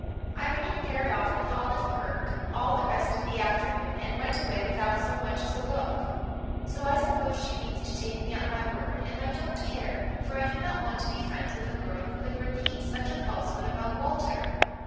Irene paired off with Olive Kirk all the rest of the afternoon and went away without so much as a look. So I suppose she means to take me at my word and I don't care, for I do not want to be friends with a girl who could repeat such a falsehood about Walter.